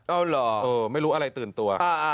เอาเหรอไม่รู้อะไรตื่นตัว